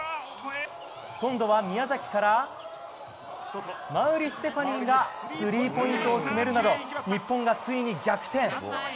今度は宮崎から馬瓜ステファニーがスリーポイントを決めるなど日本がついに逆転。